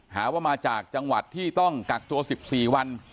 หาว่ามาจากจังหวัดที่ต้องกักตัว๑๔วัน